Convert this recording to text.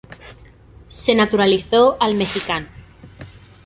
Se naturalizó mexicano.